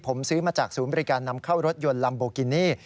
ผมซื้อมาจากศูนย์บริการนำเข้ารถยนต์ลัมโบกินี่